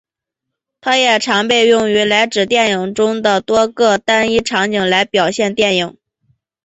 它也常被用来指电影中的多个单一场景来表现电影。